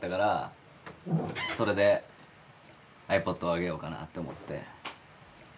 それでｉＰｏｄをあげようかなと思って。